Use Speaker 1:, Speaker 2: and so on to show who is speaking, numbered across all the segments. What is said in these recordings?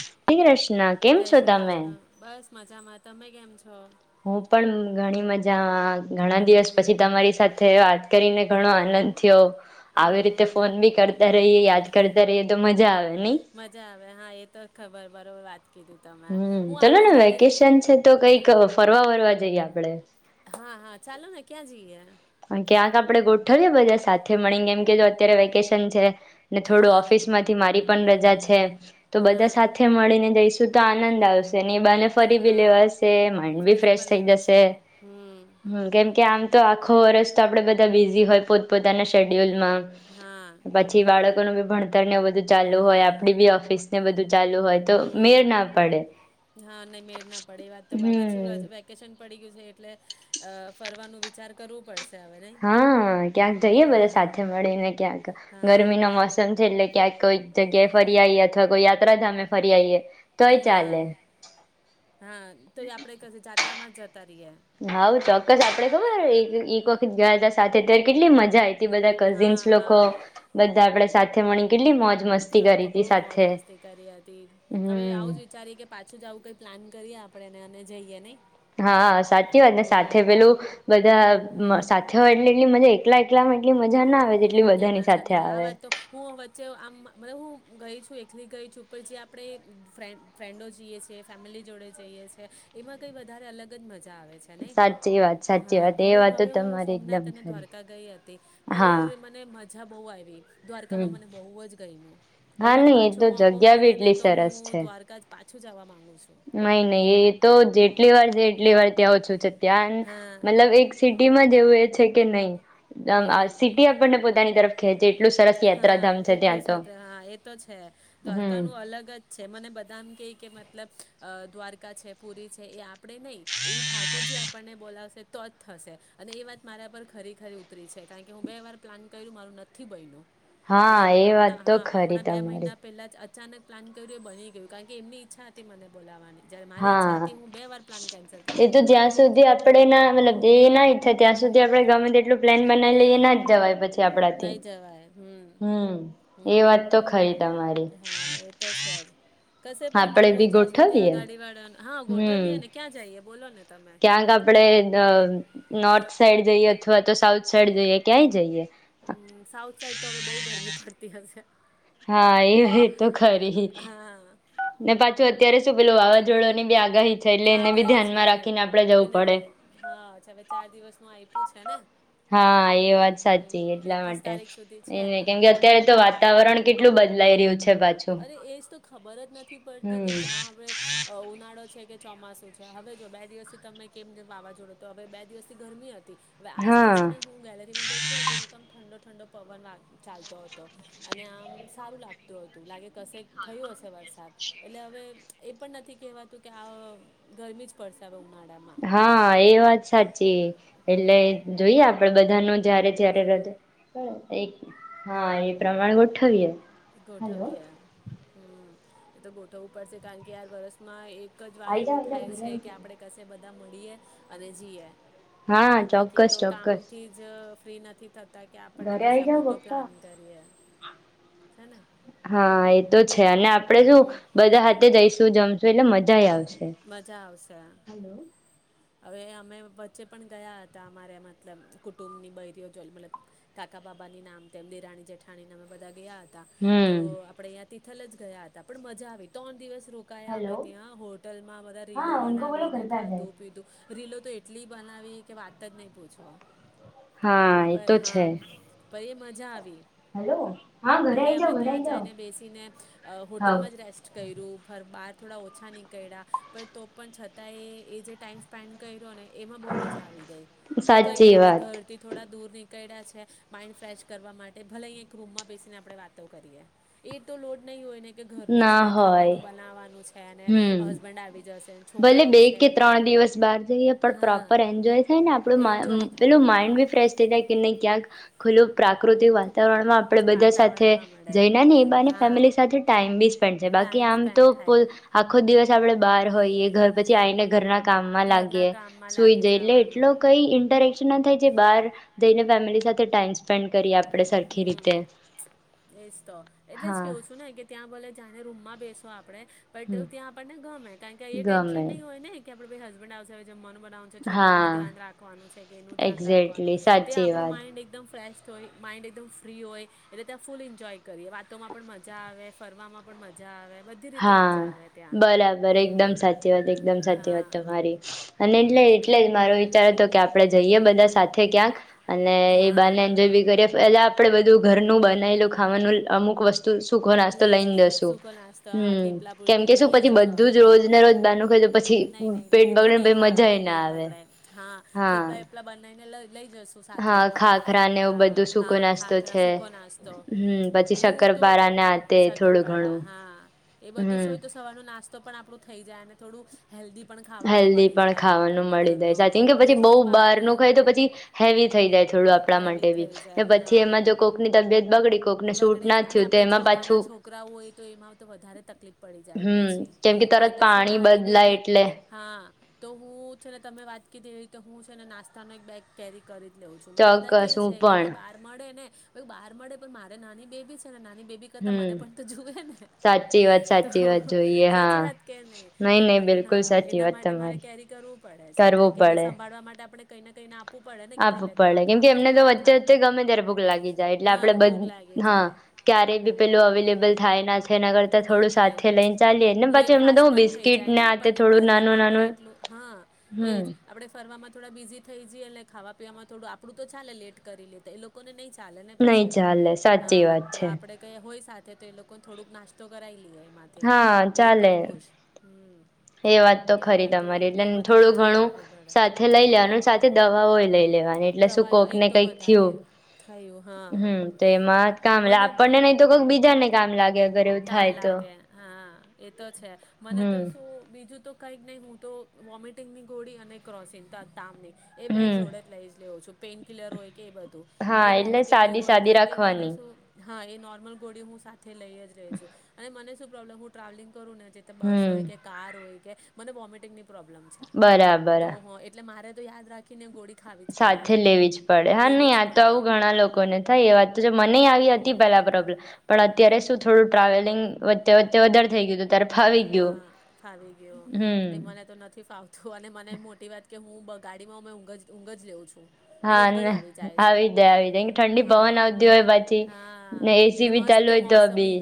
Speaker 1: [unintelligible] કેમ
Speaker 2: જય
Speaker 1: છો
Speaker 2: શ્રી
Speaker 1: તમે.
Speaker 2: કૃષ્ણ બસ મજામાં તમે કેમ છો.
Speaker 1: હું પણ ઘણી મજા માં ઘણા દિવસ
Speaker 2: હમ
Speaker 1: પછી તમારી સાથે વાત કરીને ઘણો આનંદ થયો. આવી
Speaker 2: હમ
Speaker 1: રીતે
Speaker 2: મને
Speaker 1: ફોન બી કરતા રહીએ યાદ કરતા રહીએ તો મજા આવે નહી.
Speaker 2: વે હા એ તો ખબર બરોબર વાત કીધી તમે
Speaker 1: હમ
Speaker 2: હું આમ
Speaker 1: ચલો
Speaker 2: જ
Speaker 1: ને
Speaker 2: ગેલેરી
Speaker 1: વેકેશન છે તો કઈક ફરવા વરવા જઈ આવી [unintelligible]
Speaker 2: હા હા ચાલો ને ક્યાં જઈએ.
Speaker 1: કયાંક આપડે ગોઠવીએ બધા સાથે મળીને એમ કે જો અત્યારે વેકેશન છે. ને થોડું
Speaker 2: હા
Speaker 1: ઓફિસ માંથી મારી પણ રજા છે. તો બધા
Speaker 2: હા
Speaker 1: સાથે મળીને જઈશ સુધ આનંદ આવશે. ની બને ફરી બી
Speaker 2: હા
Speaker 1: લેવાશે માઇન્ડ બી
Speaker 2: ફરી
Speaker 1: ફ્રેશ
Speaker 2: પણ
Speaker 1: થઈ
Speaker 2: લેવાશે
Speaker 1: જશે,
Speaker 2: હમ
Speaker 1: હ કેમકે આમ તત [unintelligible] ખૂ વરર્ષ તો આપણે બધા બિઝી હોય પોતપ પોતાના શેડ્યુલ માં
Speaker 2: હા
Speaker 1: પછી બાળક ી ભણતર નેધું ચાલુ હોય આપડી બી ઓફિસ ને બધ
Speaker 2: હમ, હા ન મેળ ના પડે વાત તો
Speaker 1: હમ
Speaker 2: હવે વેકેશન પડી ગયું. એટલે, અ ફરવાનું વિચાર કરવું પડશે. હવે નહીં
Speaker 1: હા ક્યાંક જઈયે બધા
Speaker 2: હા
Speaker 1: સાથે મળીને ક્યાંક,
Speaker 2: હા
Speaker 1: ગરમી ન મોસમ છે એટલે ક્યાંક કોઈ જગ્યાએ ફરી આવીઈએ અથવા કોઈ યાત્રાધામે ફરી આવીઈએ. તોય
Speaker 2: હા
Speaker 1: ચાલે
Speaker 2: હા તો એ આપડે ક જાત્રા માં જ જતા રહીએ
Speaker 1: હા ચોક બ આપડે ખબર એક વખત ગયા હતા સાથે અત્યારે કેટલી મજા આવી બધા
Speaker 2: હા
Speaker 1: કઝિન્સ લોકો,
Speaker 2: હા
Speaker 1: બધા આપડે સાથે મણી ગટલી મ
Speaker 2: બઉ મોજ મસ્તી કરી હતી, હવે આવું જ
Speaker 1: હમ
Speaker 2: વિચારીએ કે પાછું જ આવું કઈ પ્લાન કરીએ આપ આપણેને અને જઈએ નઈ
Speaker 1: હા સાચી વાત ને સાથે પેલું બધા સાથે હોય એટલે એટલી મજા એકલા એકલા માં એટલી મજા ના આવે જેટલી
Speaker 2: નઈ
Speaker 1: બધાની
Speaker 2: મજા
Speaker 1: સાથે
Speaker 2: નહી આ
Speaker 1: આવે
Speaker 2: વાત તો હું વચ્ચે આમ હું ગઈ શું એકલી ગઈ છું પણ જે આપણે ફ ફ્રેન્ડો જઈએ છીએ ફેમિલી જોડે જઈએ છીએ એમાં કંઈ વધારે અલગ જ મજા મજા આવે છે નહીં
Speaker 1: સાચી વાત સાચી
Speaker 2: હા
Speaker 1: વાત એ
Speaker 2: હવે
Speaker 1: વાત તો
Speaker 2: હવે હું
Speaker 1: તમારી
Speaker 2: સોમનાથ
Speaker 1: એકદમ
Speaker 2: અને
Speaker 1: ખરી
Speaker 2: દ્વારકા ગઈ હતી
Speaker 1: હા
Speaker 2: મજા બહુ આવી ર દ્વારકામાં
Speaker 1: હમ
Speaker 2: મને બહુ જ ગઈમું હું હવે
Speaker 1: હા
Speaker 2: મને
Speaker 1: નહી એ
Speaker 2: પાછો
Speaker 1: તો
Speaker 2: મોકો
Speaker 1: જગ્યા બી
Speaker 2: મળે ને
Speaker 1: એટલી
Speaker 2: તો
Speaker 1: સરસ
Speaker 2: હું
Speaker 1: છે
Speaker 2: દ્વારકા પાછું જવા માંગુ
Speaker 1: નહી, નહી, એ તો જેટલી વાર છે. એટલીવાર ત્યાં ઓછું છે. ધ્યાન
Speaker 2: હા
Speaker 1: મતલબ એક સિટીમાં જેવું એ છે, કે નહી. આમ આ
Speaker 2: હમ
Speaker 1: સિટી આપણને પોતાની તરફ ખેંચે એટલું સરસ
Speaker 2: હા,
Speaker 1: યાત્રાધામ છે ત્યાં
Speaker 2: એટલું
Speaker 1: તો
Speaker 2: સાથે હા એ તો છે.
Speaker 1: હમ
Speaker 2: દ્વારકા નું અલગ જ છે મને બધાને કે કે મ મતલબ દ્વારકા છે પુરી છે. એ આપણે નહીં એ ઠાકુરજી આપણને બોલાવશે તો જ થશે. અને એ વાત મારા પર ખરી ખરી ઉતરી છે કારણ કે હું બે વાર પ્લાન કર્યું મારું નથી બન્યું. અને
Speaker 1: હા એ વાત
Speaker 2: હમણાં
Speaker 1: તો
Speaker 2: હા,
Speaker 1: ખરી
Speaker 2: હમણાં બે
Speaker 1: તમારી
Speaker 2: મહિના પેલા જ અચાનક પ્લાન કર્યું. એ બની ગયું કારણ કે, એમની ઈચ્છા હતી, મને બોલાવવાની. જ્યારે મારી ઈચ્છા
Speaker 1: હા,
Speaker 2: હતી હું બે વાર પ્લાન કેન્સલ થઈ
Speaker 1: એ
Speaker 2: ગયું
Speaker 1: તો
Speaker 2: મારું
Speaker 1: જ્યાં સુધી આપણે ના મતલબ જેના ત્યાં, સુધી આપડે ગમે તેટલું પ્લેન બનાવી લઈએ ના જવાય પછી, આપણાથી
Speaker 2: નહીં જવાય હમ
Speaker 1: હમ્મ, એ
Speaker 2: હમ
Speaker 1: વાત તો ખરી તમારી
Speaker 2: હા એ તો છે જ કશે પણ
Speaker 1: આપડે
Speaker 2: જવું
Speaker 1: બી
Speaker 2: હોય જ્યાં સુધી
Speaker 1: ગોઠવીય
Speaker 2: અગાડી વાળા હા
Speaker 1: હમ્મ,
Speaker 2: ગોઠવીએ ને ક્યાં જઈએ બોલો ને તમે
Speaker 1: ક્યાંક આપડે નોર્થ સાઈડ જઈએ. અથવા તો સાઉથ સાઈડ જઈએ ક્યાંય જઈએ.
Speaker 2: હમ્મ, સાઉથ સાઈડ તો હવે બઉુ ગરમી પડતી હશે.
Speaker 1: હા, એ એજ તો ખરી.
Speaker 2: હા
Speaker 1: ને પાછું અત્યારે શું પેલું વાવાઝોડા ની બી આગાહી છે એટલે એને બી
Speaker 2: આગઈ છે.
Speaker 1: ધ્યાનમાં રાખીને આપડે જવું
Speaker 2: એને
Speaker 1: પડે
Speaker 2: પણ હા હવે ચાર દિવસમાં આવી. તું છે ને,
Speaker 1: હા, એ વાત સાચી
Speaker 2: હમ
Speaker 1: એટલા
Speaker 2: એકવીસ
Speaker 1: માટે
Speaker 2: તારીખ સુધી છે
Speaker 1: એ કેમ કે, અત્યારે તો વાતાવરણ કેટલું બદલાઈ રહ્યું છે. પાછું
Speaker 2: અરે એજ તો ખબર જ નથી પડતી. કે
Speaker 1: હમ
Speaker 2: ક્યાં હવે ઉનાળો છે કે, ચોમાસું છે. હવે જો બે દિવસથી તમે કેમ જેમ વાવાઝોડો તો હવે બે દિવસથી ગરમી જ હવે, આજથી છે.
Speaker 1: હા
Speaker 2: ને હું ગેલેરીમાં બેઠી હતી ને તમ ઠંડો ઠંડો પવન ચાલતો હતો. અને આમ, સારું લાગતું હતું. તું લાગે કશે થયું હશે વરસાદ, એટલે હવે એ પણ નથી કેહેવાતું, કે આ ગરમી જ પડશે હવે ઉનાળા
Speaker 1: હા એ વાત સાચી એટલે
Speaker 2: હમ
Speaker 1: જોઈએ આપડે બધાનું જયારે જ્યારે રજ પણ હા, એ પ્રમાણ ગોઠવીએ. હલો
Speaker 2: ગૌઠવીએ હ. તો ગોઠવું પડશે કારણ કે આ વર્ષમાં એક દ્વારા
Speaker 1: આઈ જાવ
Speaker 2: એવું
Speaker 1: આઈ જાવ
Speaker 2: થાય
Speaker 1: ઘરે
Speaker 2: છે
Speaker 1: આઈ
Speaker 2: કે
Speaker 1: જાવ.
Speaker 2: આપડે કશે બધા ભેગા મળીએ, અને જીએ.
Speaker 1: હા
Speaker 2: આ બાકી
Speaker 1: ચોક્કસ
Speaker 2: તો
Speaker 1: ચોક્કસ
Speaker 2: કામથી જ ફ્રી નથી થ કે આપણને
Speaker 1: ઘરે
Speaker 2: કશ
Speaker 1: આઈ જાવ
Speaker 2: મોટો
Speaker 1: પપ્પા
Speaker 2: પ્લાન કરીએ. છે ને
Speaker 1: હા એ તો જ. અને આપડણે શું,
Speaker 2: હમ
Speaker 1: બધા હાથે જઈ શું જમશો એટલે મજા આવશે.
Speaker 2: મજા આવશે. હવે અમે વચ્ચે પણ ગયા હતા અમારે મતલબ કુટુંબ ની બૈરીઓ મતલબ, કાકા બાબાની નામ તેમ દ રાણી જેઠાણી અમે બધા ગયા હતા. તો
Speaker 1: હમ
Speaker 2: આપણેે અ તિથલ જ ગયા હતા, પણ મજા આવી. તણ દિવસ રોકાયા અમે
Speaker 1: હલો
Speaker 2: ત્યાં હોટલમાં, બધા રીલો
Speaker 1: હા ઉનકો
Speaker 2: બનાવી,
Speaker 1: બોલો ઘર
Speaker 2: ને
Speaker 1: પે આ જાય
Speaker 2: ખાધું રીલો તો એટલી બનાવી કે વાત જ નહીં પૂછો.
Speaker 1: હા એતો
Speaker 2: પર હા
Speaker 1: છે.
Speaker 2: પર એ મજા આવી.
Speaker 1: હલો હા ઘરે
Speaker 2: ભલે
Speaker 1: આઈ
Speaker 2: અમે
Speaker 1: જાવ ઘરે
Speaker 2: ત્યાં
Speaker 1: આઈ જાવ
Speaker 2: જઈને બેસીને અહ
Speaker 1: હાવ
Speaker 2: હોટલમાં જ રેસ્ટ કયરું. [unintelligible] થોડા ઓછા નીકળ્યા પણ તો પણ છતાંય એ જે ટાઈમ સ્પેન્ડ કયરો ને એમાં બહુ મજા આવી ગઈ, કે કઈ નઈ
Speaker 1: સાચી
Speaker 2: આપણે
Speaker 1: વાત
Speaker 2: ઘર થી થોડા દૂર ની કયળા છે, માઈન્ડ ફ્રેશ કરવા માટે ભલે અહીં એક રૂમમાં બેસીને આપણે વાતો કરીએ. એ તો લોડ નહી હોય ને કે ઘરનું
Speaker 1: ના
Speaker 2: છે,
Speaker 1: હોય
Speaker 2: ખાવાનું બનાવાનું છ છે અને
Speaker 1: હમ
Speaker 2: હસ્બેન્ડ આવી જશે.
Speaker 1: ભલે
Speaker 2: છોકરાઓ
Speaker 1: બે
Speaker 2: છે
Speaker 1: કે
Speaker 2: ને
Speaker 1: ત્રણ દિ બહાર જઈએ પણ
Speaker 2: હા
Speaker 1: પ્રોપર એન્જોય થાય ને આપણું મા
Speaker 2: એન્જોય
Speaker 1: પેલું
Speaker 2: થાય
Speaker 1: માઇન્ડ બી ફ્રેશ થઈ જાય કે નહીં ક્યાંક ખુલ્લું પ્રાકૃતિક વાતાવરણમાં આપણે બધા સાથે
Speaker 2: વાતાવરણમાં મળે
Speaker 1: જઈના ને એ બહાને
Speaker 2: હા
Speaker 1: ફેમિલી સાથે ટાઈમ બી સ્પેન્ડ છે, બાકી
Speaker 2: ટાઈમ
Speaker 1: આમ તો
Speaker 2: સ્પેન્ડ થાય
Speaker 1: આખો દિવસ પછી આપડે બાર હોય એ ઘર પછી આઈને ઘરના કામમાં
Speaker 2: ઘરના
Speaker 1: લાગીયે
Speaker 2: કામમાં
Speaker 1: સુઈ
Speaker 2: લાગી
Speaker 1: જઈ એટલે એટલો
Speaker 2: જવાનું
Speaker 1: કઈ ઇન્ટરેક્શન ના થાય જે બાર જઈને ફેમિલી સાથે ટાઈમ સ્પેન્ડ કરી આપ
Speaker 2: હમ એજ તો એટલે જ
Speaker 1: હા
Speaker 2: કેવું છું ને કે ત્યાં ભલે જ અને રૂમમાં બેસો આપ આપને બટ
Speaker 1: હમ
Speaker 2: ત્યાં આપણને ગમે કારણ કે એ
Speaker 1: ગમે
Speaker 2: ટેન્શન નહીં હોય ને કે આપડોબી હસબન્ડ આવશે જે મન બનાવવાનું છે
Speaker 1: હા
Speaker 2: છોકરાઓનું ધ્યાન રાખવાનું છે કે એનું ધ્યાન રાખવાનું
Speaker 1: એક્ઝેક્ટલી
Speaker 2: તે
Speaker 1: સાચી
Speaker 2: આપણું
Speaker 1: વાત
Speaker 2: માઈન્ડ એકદમ ફ્રેશ તોઈ માઇન્ડ એકદમ ફ્રી હોય એટલે ત્યાં ફૂલ એન્જોય કરીએ વાતોમાં પણ મજા આવે ફરવામાં પણ મજા આવે બધી રીતે
Speaker 1: હા
Speaker 2: મજા આવે ત્યાં
Speaker 1: બરાબર એકદમ સાચી વાત એકદમ સાચી વાત
Speaker 2: હા
Speaker 1: તમારી અને
Speaker 2: હા
Speaker 1: એટલે
Speaker 2: કે
Speaker 1: એટલે
Speaker 2: ઘ
Speaker 1: મારો વિચાર હતો કે આપડે જઈએ બધા સાથે થે ક્યાક અને એ
Speaker 2: હા
Speaker 1: બાણે એન્જોય બી કરીયે ફેલાપ આપડે બધું ઘરનું બનાયલું ખાવાનું અમુક વસ્ સુખો નાસ્તો લઈને જસુ
Speaker 2: તો થેપલા પૂરી ઢોકલા લઈ જશુ આપણે
Speaker 1: રોજ ને રોજ બારનું ખાય તો પછી
Speaker 2: નહી નહીં
Speaker 1: પેટ
Speaker 2: નહી એ તો
Speaker 1: બગડે ને
Speaker 2: નહી
Speaker 1: પછી મજા
Speaker 2: ફાવે
Speaker 1: એ ના
Speaker 2: પેટ
Speaker 1: આવે
Speaker 2: બગડે હા
Speaker 1: હા
Speaker 2: થેપલા વેપલા બનાવીને લઈ લઈ જશું સાથે,
Speaker 1: હા ખાખરા
Speaker 2: હા,
Speaker 1: ને એવું
Speaker 2: હા,
Speaker 1: બધું સૂકો
Speaker 2: ખા
Speaker 1: નાસ્તો
Speaker 2: ખાખરા
Speaker 1: છે
Speaker 2: સૂકો નાસ્તો.
Speaker 1: હમ પછી
Speaker 2: હું તો
Speaker 1: શક્કરપારા ને આ તે થોડું
Speaker 2: શક્કરપાડા
Speaker 1: ઘણું
Speaker 2: હા. એ બધું સ
Speaker 1: હમ
Speaker 2: હોય તો સવાર નો નાસ્તો તો પણ આપડું થઈ જાય, ને થોડું હેલ્ધી પણ ખાવાનું
Speaker 1: હેલ્ધી
Speaker 2: મળી
Speaker 1: પણ
Speaker 2: જાય
Speaker 1: ખાવાનું
Speaker 2: આપણને
Speaker 1: મળી
Speaker 2: ઘરનું
Speaker 1: જાય. [unintelligible] પછી
Speaker 2: રોજ
Speaker 1: બહુ
Speaker 2: રોજ
Speaker 1: બહાર
Speaker 2: બહારનું
Speaker 1: નું ખાય તો પછી હેવી થઈ જાય થોડું આપણા માટે
Speaker 2: હેવી
Speaker 1: બી,
Speaker 2: થઈ
Speaker 1: ને
Speaker 2: જાય
Speaker 1: પછી
Speaker 2: હા
Speaker 1: એમાં જો કોકની તબિયત બગડી કોકને સૂટ ના થયું તો એમાં
Speaker 2: નો નાના
Speaker 1: પાછું
Speaker 2: છોકરાઓ હોય તો એમાં તો વધારે તકલીફ પડી જાય
Speaker 1: હમ
Speaker 2: પછી,
Speaker 1: કેમ કે
Speaker 2: મા
Speaker 1: તરત
Speaker 2: તો છું
Speaker 1: પાણી
Speaker 2: નાની
Speaker 1: બદલાય
Speaker 2: બેબી,
Speaker 1: એટલે
Speaker 2: હા. તો હું છે ને તમે વાત કિધી એ રીતે તો હું છે ને નાસ્તાનો એક બેગ કેરી કરી જ લઉં છું. મને બધા
Speaker 1: ચોક્કસ
Speaker 2: કયે
Speaker 1: હું
Speaker 2: છે કે
Speaker 1: પણ
Speaker 2: ભાઈ બહાર મળે ને મે ક બહાર મળે પણ મારે નાની બેબી છે ને નાની તો-તો
Speaker 1: હમ
Speaker 2: મને પણ તો જુવેને,
Speaker 1: સાચી વાત
Speaker 2: તો
Speaker 1: સાચી વાત જોઈએ હા
Speaker 2: સાચી વાત કે નહીં?
Speaker 1: નહી
Speaker 2: તો
Speaker 1: નહી
Speaker 2: મે કી ના
Speaker 1: બિલકુલ સાચી
Speaker 2: એના
Speaker 1: વાત
Speaker 2: માટે મારે
Speaker 1: તમારી
Speaker 2: કેરી કરવું પડે છે,
Speaker 1: કરવું
Speaker 2: કારણ કે એને
Speaker 1: પડે
Speaker 2: સંભાળવા માટે આપણે કઈને કઈના આપ
Speaker 1: આપવું પડે કેમ કે એમને તો
Speaker 2: ખા
Speaker 1: વચ્ચે-વચ્ચે ગમે ત્યારે ભૂખ લાગી જાય, એટલે આપડે
Speaker 2: હા ભૂખ લાગી
Speaker 1: બધ હા
Speaker 2: જાય
Speaker 1: ક્યાર કઈ બી પેલું
Speaker 2: હમ
Speaker 1: અવેલેબલ થાય ના થાય, એના કરતા
Speaker 2: ન
Speaker 1: થોડું
Speaker 2: થાય
Speaker 1: સાથે લઈન ચાલીએ ને
Speaker 2: લેટ
Speaker 1: પાછું એમને
Speaker 2: ફાસ્ટ
Speaker 1: તો હું
Speaker 2: પણ થઈ જાય
Speaker 1: બિસ્કીટને
Speaker 2: ને
Speaker 1: આ તે
Speaker 2: આપણને
Speaker 1: થોડું
Speaker 2: ફરવામાં આપણે
Speaker 1: નાનું-નાનું.
Speaker 2: એટલું હા
Speaker 1: હમ્મ.
Speaker 2: એજ આપણે ફરવામાં થોડા બીઝી થઈ જઈ અને ખાવા પીવામાં થોડું આપડું તો ચાલે લેટ કરી લે તો, એ લોકોને નહીં ચાલે ને
Speaker 1: નહીં
Speaker 2: પછી
Speaker 1: ચાલે, સાચી
Speaker 2: હા
Speaker 1: વાત
Speaker 2: તો
Speaker 1: છે.
Speaker 2: આપણે કઈ હોય સાથે તો એ લોકોન થોડુંક નાસ્તો કરાઈ લઈ એમ. થે
Speaker 1: હા
Speaker 2: તે
Speaker 1: ચાલે
Speaker 2: પણ ખુશ, હમ.
Speaker 1: એ વાત તો
Speaker 2: તે
Speaker 1: ખરી
Speaker 2: બધું
Speaker 1: તમારી એટલે
Speaker 2: એ બધું
Speaker 1: થોડું
Speaker 2: ધ્યાન
Speaker 1: ઘણું,
Speaker 2: રાખવું પડે
Speaker 1: સાથે લઈ લેવાનું સાથે દવાઓય લઈ લેવાની એટલે શું
Speaker 2: દવાઓ
Speaker 1: કોક
Speaker 2: એ
Speaker 1: ને
Speaker 2: તો
Speaker 1: કંઈક થયું,
Speaker 2: વધારે થયું હા
Speaker 1: હમ તો એમાં કામ પણને નહીં તો કઈક બીજાને કામ લાગે. અગર એવું
Speaker 2: તમ
Speaker 1: થાય તો
Speaker 2: લાગે હા. એ તો છે મને તો
Speaker 1: હમ
Speaker 2: શું બીજું તો કઈક નહી હું તો વોમિટિંગ ની ગોળી અને ક્રોસિન તામ ન એ બે
Speaker 1: હમ
Speaker 2: જોડે જ લઈ જ લેવ છું. પેન કિલર હોય. કે બધું, અને
Speaker 1: હા એટલે
Speaker 2: વોમિટિંગની
Speaker 1: સાદી
Speaker 2: ગોળી
Speaker 1: સાદી
Speaker 2: કારણ કે મને
Speaker 1: રાખવાની
Speaker 2: શું. હા એ નોર્મલ ગોળી હું સાથે લઈ જ રેવ. અને મને શું પ્રોબ્લમ હું ટ્રાવેલિંગ કરું ના જે તો બસ હોય કે
Speaker 1: હમ
Speaker 2: કાર હોય. કે મને વોમિટિંગની પ્રોમ્બેલ છે,
Speaker 1: બરાબર
Speaker 2: તો એટલે મારે યાદ રાખીને ગોડી
Speaker 1: સાથે લેવી જ પડે. હા, નહી આ
Speaker 2: જ
Speaker 1: તો
Speaker 2: પડે
Speaker 1: આવું ઘણા લોકોને થાય એ વાત તો જો મને આવી હતી પેલા પ્રોબ્લમ, પણ અત્યારે શું થોડું ટ્રાવેલિંગ વચ્ચે-વચ્ચે વધારે થઈ ગયું તું
Speaker 2: હા, ફાવી ગયો. નહીં મને
Speaker 1: હમ
Speaker 2: તો નથી ફાવ તું અને મને મોટી વાત કે હું બ ગાડી માં મે ઊંઘ જ ઊંઘ [unintelligible] છું. મને
Speaker 1: હા
Speaker 2: ઊંઘ જ
Speaker 1: ને
Speaker 2: જાય છે
Speaker 1: આવી જાય-આવી જાય. કેમ કે ઠંડી પવન
Speaker 2: હા
Speaker 1: આવતી હોય પાછી,
Speaker 2: હા
Speaker 1: ને એ સી બી ચાલુ હોય તો બી.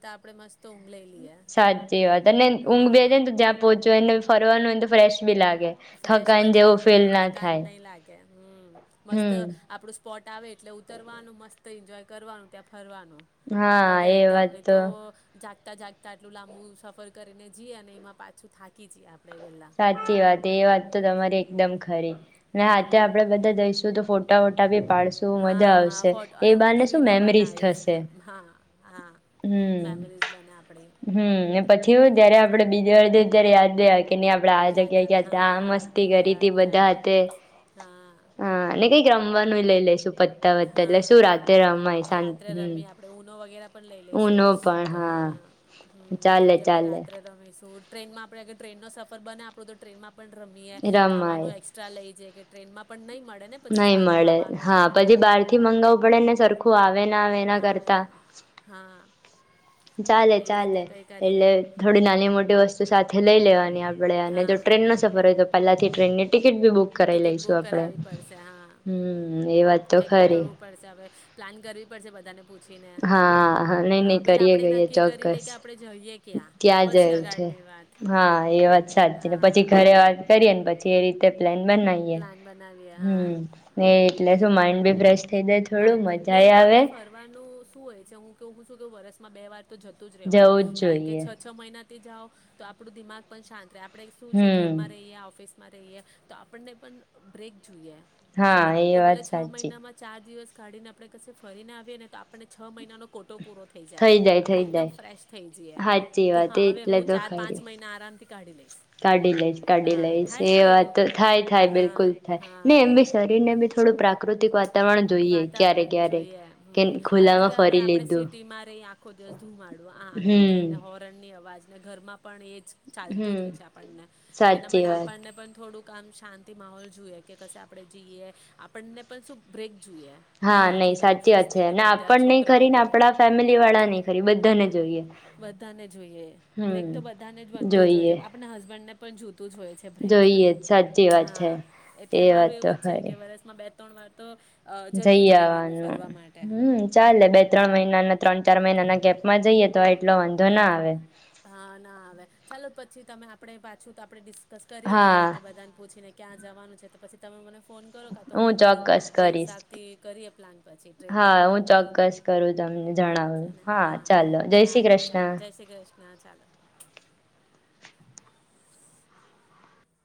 Speaker 2: તો આપણે મસ્ત તો ઊંઘ લઈ લીએ.
Speaker 1: સાચી વાત અને ઊંઘ [unintelligible] જ્યાં પહોંચવાનું અને ફરવાનું [unintelligible] ફ્રેશ બી લાગ
Speaker 2: ફ્રેશ પણ લાગે, થકાન નહીં લાગે, હમ્મ. મસ્ત
Speaker 1: હમ
Speaker 2: આપડું સ્પોટ આવે એટલે ઉતરવાનું મસ્ત [unintelligible] એન્જોય કરવાનું ત્યાં ફરવાનું. હા, વગર એકદમ, નહીં તો જાગ તા જાગતા આટલું લાંબુ સફર કરીને જઈએ અને એમાં પાછું થાકી જઈએ આપ
Speaker 1: સાચી વાત. એ એ વાત તો તમારી એકદમ ખરી. અને હાતે
Speaker 2: હમ
Speaker 1: આપડે બધાં જઈશું તો ફોટ ટા વોટા બી પાડશું,
Speaker 2: હા
Speaker 1: મજા
Speaker 2: હા
Speaker 1: આવશે.
Speaker 2: ફોટો
Speaker 1: એ
Speaker 2: અને હું
Speaker 1: બહાને
Speaker 2: તો
Speaker 1: શું
Speaker 2: રીલો
Speaker 1: મેમરીસ
Speaker 2: બનાવીશ
Speaker 1: થશે.
Speaker 2: હા હા મેમરીઝ બને આપણી
Speaker 1: હમ્મ-હમ્મ. ને પછી હું
Speaker 2: એ
Speaker 1: જયારે
Speaker 2: વાત
Speaker 1: આપડે બીજી વાર જઈ ત્યારે યાદ [unintelligible] આપડે આ
Speaker 2: યાદ
Speaker 1: જગ્યા
Speaker 2: આવે
Speaker 1: ગિયા
Speaker 2: હા
Speaker 1: હતા
Speaker 2: આ વખતે
Speaker 1: મસ્તી કરી
Speaker 2: ગયા
Speaker 1: હતી બધા હતા હાતે,
Speaker 2: હા
Speaker 1: અને કઈક રમવાનું લઈ લેેશું પત્તા વત્તા એટલે શું રાતે રમાય
Speaker 2: હા
Speaker 1: શં
Speaker 2: રાત્રે
Speaker 1: હમ,
Speaker 2: રમી આપણે ઊનો વગેરે પણ લઈ લઈશું
Speaker 1: ઓનો પણ
Speaker 2: તો
Speaker 1: હા,
Speaker 2: હમ તો
Speaker 1: ચાલે
Speaker 2: એ આપણે
Speaker 1: ચાલે.
Speaker 2: રાત્રે રમીશું ટ્રેનમાં આપણે ગ ટ્રેનનો સ બને આપણો તો ટ્રેનમાં પણ રમીએ, ખાવાનો એક્સ્ટ્રા લઈ જાય. કે ટ્રેન માં પણ નહીં. મળે ને પછી
Speaker 1: નઈ
Speaker 2: સારું
Speaker 1: મળે
Speaker 2: ખાવાનું
Speaker 1: હા
Speaker 2: આપણને
Speaker 1: પછી બાર થી મંગાવવું પડે ને સરખું. ખુ આવે અના વેના
Speaker 2: આવે
Speaker 1: કરતા
Speaker 2: ને હા તો
Speaker 1: ચાલે
Speaker 2: આપણે એવી રીતે
Speaker 1: ચાલે
Speaker 2: કંઈ કરીએ
Speaker 1: એટલે થોડી નાની મોટી વસ્તુ સાથે લઈ લેવાની આપ ટ અને
Speaker 2: હા
Speaker 1: જો ટ્રેનનો સફર હોય તો પહેલાથી ટ્રેનની ટિકિટ બી બુક કરાવ
Speaker 2: ટિકિટ
Speaker 1: લઈશું
Speaker 2: બુક
Speaker 1: આપડે,
Speaker 2: કરાવવી પડશે હા
Speaker 1: હમ એ વાત તો
Speaker 2: કંઈક
Speaker 1: ખરી.
Speaker 2: કરવું પડશે હવે પ્લાન કરવી પડશે બધાને. પૂછીને
Speaker 1: હા હા નઈ નઈ
Speaker 2: પેલા
Speaker 1: કરીએ
Speaker 2: આપણે
Speaker 1: કરીએ
Speaker 2: નક્કી કરી
Speaker 1: ચોક્કસ,
Speaker 2: લઈએ કે આપણે જઈએ ક્યાં
Speaker 1: ત્યાં
Speaker 2: પછી
Speaker 1: જવુ છે
Speaker 2: આગળની વાત
Speaker 1: હા એ વાત સાચી ને
Speaker 2: હા
Speaker 1: પછી ઘરે વાત કરીએ ને પછી તે રીતે પ્લેન બનાઈએ.
Speaker 2: પ્લાન બનાવીએ હા
Speaker 1: હમ્મ. ને એટલે શું માઇન્ડ બી ફ્રેશ થઈ જાય થોડું
Speaker 2: [unintelligible]
Speaker 1: મજા
Speaker 2: મેન તો
Speaker 1: આવે
Speaker 2: આપડે ફરવાનું હું હોય છે હું કેવું છું કે વર્ષમાં બે વાર તો જતું જ રહેવાનું,
Speaker 1: જવું જ
Speaker 2: કારણ કે
Speaker 1: જોઈએ
Speaker 2: છ-છ મહિના [unintelligible] જાઓ તો આપણું દિમાગ પણ શાંત રહે. આપણે શું છે
Speaker 1: હમ
Speaker 2: ઘરમાં રહીએ, આ ઓફિસ માં રહીએ તો આપણને પણ બ્રેક જોઈએ એમ. છે ને
Speaker 1: હા એ
Speaker 2: તો
Speaker 1: વાત
Speaker 2: ભલે છ
Speaker 1: સાચી
Speaker 2: મહિનામાં ચાર દિવસ કાઢીને આપણે કશે ફરીને આવીએ ને તો આપણે છ મહિનાનો કોટ ટો પૂરો થઈ જાય, આપડે એકદમ ફ્રેશ થઈ જઈએ
Speaker 1: સાચી
Speaker 2: કે
Speaker 1: વાત
Speaker 2: હા હવે
Speaker 1: એટલે
Speaker 2: હું
Speaker 1: તો
Speaker 2: ચાર
Speaker 1: ખરી
Speaker 2: પાંચ મહિના આરામથી કાઢી લઈશ
Speaker 1: કાઢી લઈશ-કાઢી
Speaker 2: હા
Speaker 1: લઈશ,
Speaker 2: થાય
Speaker 1: એ
Speaker 2: ને
Speaker 1: વાત
Speaker 2: એવું
Speaker 1: થાય-થાય
Speaker 2: હા
Speaker 1: બિલકુલ થાય
Speaker 2: હા
Speaker 1: ને એમબી શરીરને બી થોડું પ્રાક કૃતિક વાત
Speaker 2: વાતાવરણ જોઈએ.
Speaker 1: કે
Speaker 2: હમ્મ. આ કારણ કે
Speaker 1: ખુલ્લામાં
Speaker 2: હવે
Speaker 1: ફરી
Speaker 2: આપણેે
Speaker 1: લીધું
Speaker 2: સિટીમાં રહી આખો દિવસ ધુમાડો આ ને તે
Speaker 1: હમ
Speaker 2: ને હોરનની અવાજ ને ઘરમાં પણ એ જ ચાલતું
Speaker 1: હમ
Speaker 2: જ હોય છે આપણને, તેના
Speaker 1: સાચી
Speaker 2: માટે
Speaker 1: વાત
Speaker 2: આપણને પણ થોડુંક કામ શાંતિ માહોલ જુએ, કે કશે આપણે જઈએ. આપણને પણ શું બ્રેક જોઈએ.
Speaker 1: હા, નઈ
Speaker 2: ઘરથી ને
Speaker 1: સાચી વાત છે.
Speaker 2: ઓફિસથી
Speaker 1: ને
Speaker 2: બધા
Speaker 1: આપણને ય ખરી, ને
Speaker 2: છોકરાઓથી
Speaker 1: આપડા ફેમિલી વાળા ને ય ખરી, બધ્ધાને જોઈએ.
Speaker 2: બધાને જોઈએ. બ્રેક
Speaker 1: હમ
Speaker 2: તો બધાને જ બનતું જ હોય.
Speaker 1: જોઈએ
Speaker 2: આપણે હસબન્ડ ને પણ જો તુ જ હોય છે.
Speaker 1: જોઈએ સાચી વાત
Speaker 2: હા,
Speaker 1: છે
Speaker 2: એટલે
Speaker 1: એ
Speaker 2: મારું
Speaker 1: વાત તો
Speaker 2: એવું જ છે કે
Speaker 1: ખરી
Speaker 2: વરસમાં બે ત્રણ વાર તો અ
Speaker 1: જઈ
Speaker 2: જતું જ રહેવાનું
Speaker 1: આવાનું.
Speaker 2: ફરવા માટે
Speaker 1: હમ ચાલે, બે ત્રણ મહિનાના ત્રણ ચાર મહિના ના કેંપમાં જઈએ તો એટલો વાંધો ના આવે
Speaker 2: હા, ના આવે. ચાલો પછી તમે આ પડે પાછું તો આપડે દિસ્ સ્વાસ કરી લીએ
Speaker 1: હા
Speaker 2: કે બધાન પૂછીને ક્યાં જવાનું છે, તો પછી તમે મને ફોન કરો કા તો હું કરું.
Speaker 1: ચોક્કસ
Speaker 2: એ
Speaker 1: કરીશ
Speaker 2: હિસાબથી કરીએ પ્લાન પછી, ટ્રેનની
Speaker 1: હા
Speaker 2: બુકિંગ
Speaker 1: હું
Speaker 2: વુકિંગ.
Speaker 1: ચોક્કસ કરું તમને
Speaker 2: ઠીક
Speaker 1: જણાવું
Speaker 2: છે ને, હા,
Speaker 1: ચાલો જય શ્રી
Speaker 2: ચાલો. ચાલો,
Speaker 1: કૃષ્ણ
Speaker 2: જય શ્રી કૃષ્ણ ચાલો.